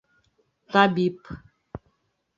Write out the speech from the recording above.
Табип.